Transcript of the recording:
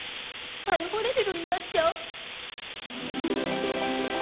逮捕レベルになっちゃう？